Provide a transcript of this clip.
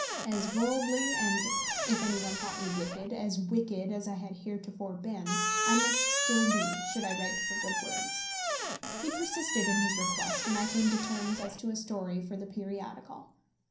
As worldly and if any one thought me wicked as wicked as I had heretofore been, I must still be, should I write for Good Words. He persisted in his request, and I came to terms as to a story for the periodical.